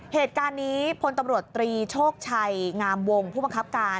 เหตุการณ์นี้พลตำรวจตรีโชคชัยงามวงผู้บังคับการ